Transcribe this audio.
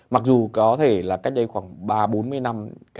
mặc dù có thể là cách đây khoảng ba bốn mươi năm